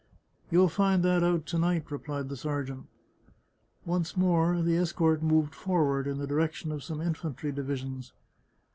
" You'll find that out to night," replied the sergeant. Once more the escort moved forward, in the direction of some infantry divisions.